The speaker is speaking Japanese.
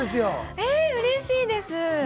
えうれしいです。